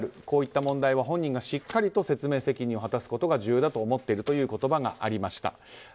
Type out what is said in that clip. こういった問題は本人がしっかりと説明責任を果たすことが重要だと思っているという言葉がありました。